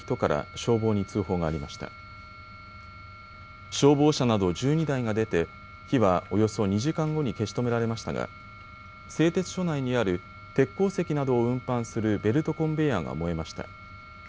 消防車など１２台が出て火はおよそ２時間後に消し止められましたが製鉄所内にある鉄鉱石などを運搬するベルトコンベヤーが燃えました。